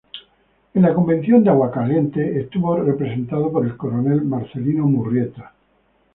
En la Convención de Aguascalientes estuvo representado por el coronel Marcelino Murrieta.